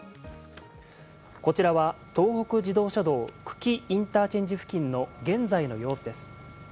こちらは東北自動車道・久喜インターチェンジ付近の現在の様子です。